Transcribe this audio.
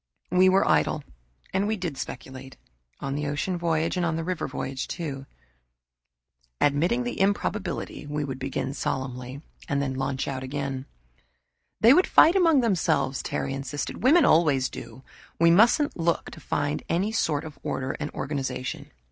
We were idle and we did speculate, on the ocean voyage and the river voyage, too. "Admitting the improbability," we'd begin solemnly, and then launch out again. "They would fight among themselves," Terry insisted. "Women always do. We mustn't look to find any sort of order and organization."